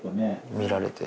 見られて。